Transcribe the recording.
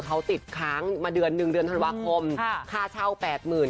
เขาติดค้างมาเดือนหนึ่งเดือนธันวาคมค่าเช่าแปดหมื่น